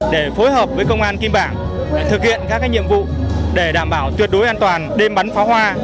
để phối hợp với công an kim bảng thực hiện các nhiệm vụ để đảm bảo tuyệt đối an toàn đêm bắn pháo hoa